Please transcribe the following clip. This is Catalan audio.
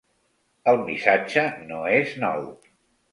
El missatge no és nou.